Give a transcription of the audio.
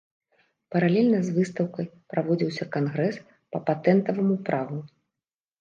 Паралельна з выстаўкай праводзіўся кангрэс па патэнтаваму праву.